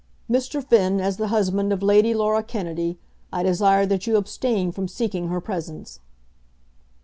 Mr. Finn, as the husband of Lady Laura Kennedy, I desire that you abstain from seeking her presence."